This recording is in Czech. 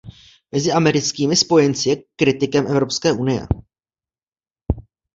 Mezi americkými spojenci je kritikem Evropské unie.